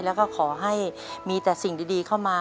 แล้วก็ขอให้มีแต่สิ่งดีเข้ามา